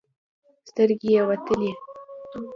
سترګې يې وتلې.